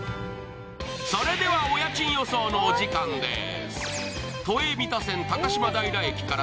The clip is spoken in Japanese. それではお家賃予想の時間です。